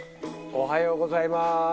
おはようございます。